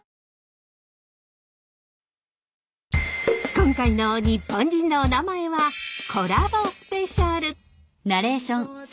今回の「日本人のおなまえ」はコラボスペシャル！